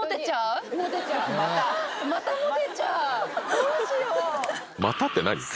どうしよう！